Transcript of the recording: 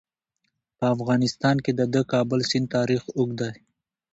په افغانستان کې د د کابل سیند تاریخ اوږد دی.